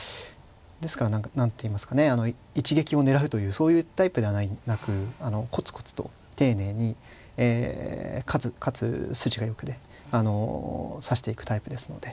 ですから何か何ていいますかね一撃を狙うというそういうタイプではなくコツコツと丁寧にかつ筋がよくねあの指していくタイプですので。